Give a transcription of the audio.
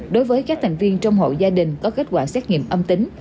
đối với các thành viên trong hội gia đình có kết quả xét nghiệm âm tính